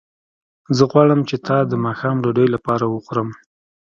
زه غواړم چې تا د ماښام ډوډۍ لپاره وخورم